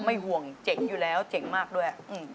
ห่วงเจ๋งอยู่แล้วเจ๋งมากด้วย